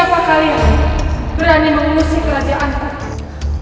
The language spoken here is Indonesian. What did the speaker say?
siapa kalian berani mengurusi kerajaanku